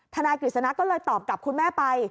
นายกฤษณะก็เลยตอบกับคุณแม่ไป